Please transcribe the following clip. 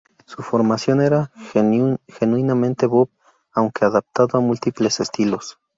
Su formación era genuinamente bop, aunque adaptado a múltiples estilos.